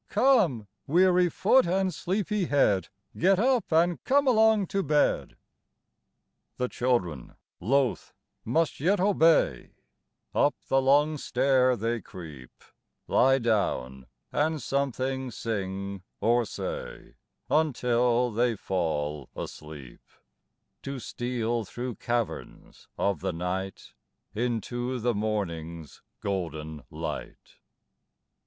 Come, weary foot, and sleepy head, Get up, and come along to bed." The children, loath, must yet obey; Up the long stair they creep; Lie down, and something sing or say Until they fall asleep, To steal through caverns of the night Into the morning's golden light.